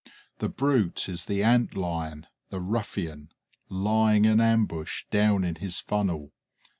The brute is the Ant lion, the ruffian, lying in ambush down in his funnel.